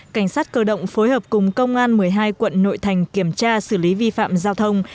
cảnh sát cơ động phối hợp cùng công an một mươi hai quận nội thành kiểm tra xử lý vi phạm giao thông